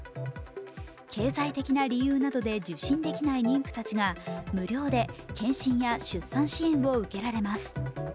経済的な理由などで受診できない妊婦たちが無料で検診や出産支援を受けられます。